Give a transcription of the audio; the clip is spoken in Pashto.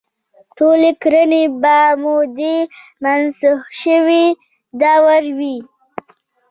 ټولې کړنې به مو د منسوخ شوي دور وي.